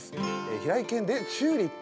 平井堅で「チューリップ」。